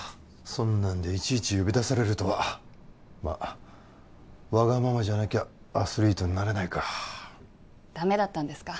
そんなんでいちいち呼び出されるとはまっわがままじゃなきゃアスリートになれないかダメだったんですか？